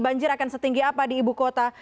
banjir akan setinggi apa di ibu kota